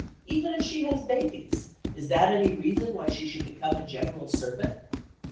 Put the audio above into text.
Even if she has babies, is that any reason why she should become a general servant?